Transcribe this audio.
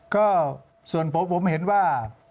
ก็ส่วนผมผมเห็นว่า